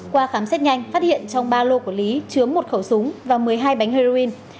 qua khám xét nhanh phát hiện trong ba lô của lý chứa một khẩu súng và một mươi hai bánh heroin